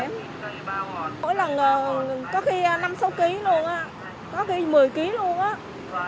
mỗi lần có khi năm sáu kg luôn có khi một mươi kg luôn